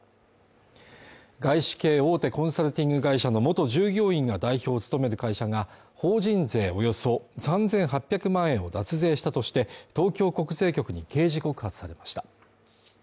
外資系大手コンサルティング会社の元従業員が代表を務める会社が法人税およそ３８００万円を脱税したとして、東京国税局に刑事告発されました。